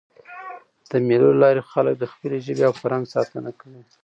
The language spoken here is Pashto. د مېلو له لاري خلک د خپلي ژبي او فرهنګ ساتنه کوي.